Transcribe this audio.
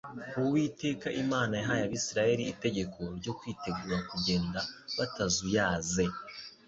Uwiteka Imana yahaye Abisirayeli itegeko ryo kwitegura kugenda batazuyaze